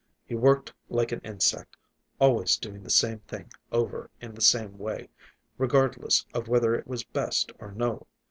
He worked like an insect, always doing the same thing over in the same way, regardless of whether it was best or no.